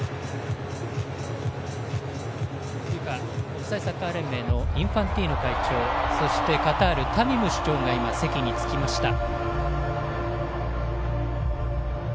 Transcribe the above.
ＦＩＦＡ＝国際サッカー連盟のインファンティーノ会長そしてカタールのタミム首長が今、席に着きました。